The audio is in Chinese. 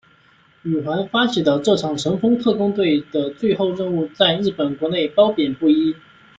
宇垣发起的这场神风特攻队的最后任务在日本国内褒贬不一。